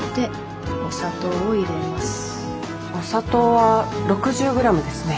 お砂糖は６０ｇですね。